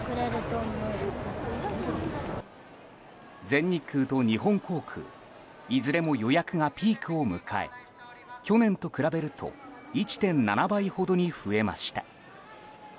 全日空と日本航空いずれも予約がピークを迎え去年と比べると１．７倍ほどに増えました。